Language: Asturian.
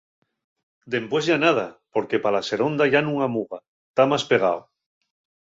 Dempués yá nada, porque pa la seronda yá nun amuga, ta más pegao.